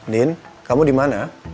din kamu dimana